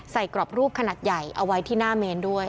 กรอบรูปขนาดใหญ่เอาไว้ที่หน้าเมนด้วย